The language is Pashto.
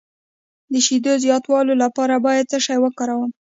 د شیدو زیاتولو لپاره باید څه شی وکاروم؟